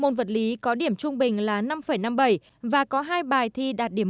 môn hóa học có điểm trung bình là năm năm mươi bảy và có hai bài thi đạt điểm một mươi